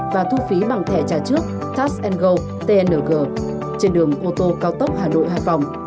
và thu phí bằng thẻ trà trước tas go tng trên đường ô tô cao tốc hà nội hải phòng